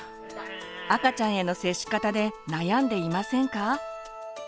赤ちゃんへの接し方で悩んでいませんか？